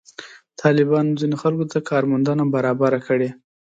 طالبانو ځینو خلکو ته کار موندنه برابره کړې.